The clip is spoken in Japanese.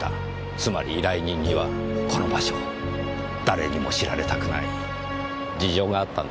つまり依頼人にはこの場所を誰にも知られたくない事情があったんです。